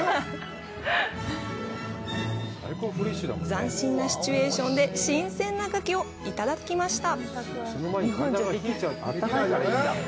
斬新なシチュエーションで新鮮な牡蠣をいただきました。